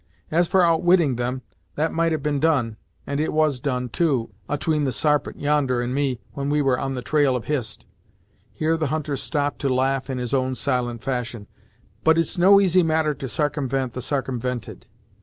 As for outwitting them, that might have been done, and it was done, too, atween the Sarpent, yonder, and me, when we were on the trail of Hist " here the hunter stopped to laugh in his own silent fashion "but it's no easy matter to sarcumvent the sarcumvented.